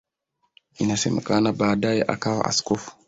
Inasemekana baadaye akawa askofu.